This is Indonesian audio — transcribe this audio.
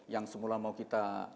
yang semula mau kita